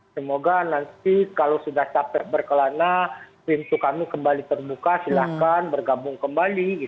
semoga nanti kalau sudah capek berkelana pintu kami kembali terbuka silahkan bergabung kembali